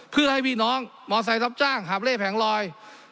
เพื่อให้พี่น้องมอเซล์รับจ้างหาบเล่แผงลอย